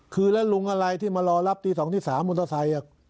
คือแล้วลุงอะไรที่มารอรับตี๒ตี๓มอเตอร์ไซค์